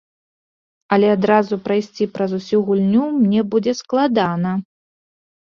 Але адразу прайсці праз усю гульню мне будзе складана.